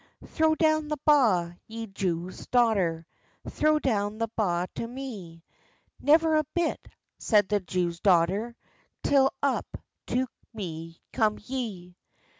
"Throw down the ba, ye Jew's daughter, Throw down the ba to me!" "Never a bit," says the Jew's daughter, "Till up to me come ye."